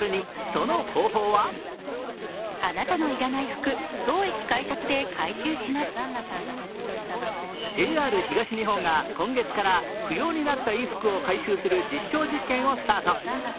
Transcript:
その方法はＪＲ東日本が今月から不要になった衣服を回収する実証実験をスタート。